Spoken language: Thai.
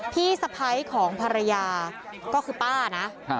พี่สะพ้ายของภรรยาก็คือป้านะ